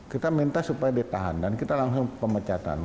kita minta supaya ditahan dan kita langsung pemecatan